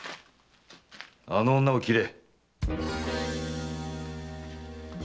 あの女を斬れ。